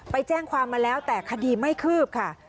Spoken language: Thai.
ไปแจ้งความมาแล้วแต่คดีไม่คืบค่ะ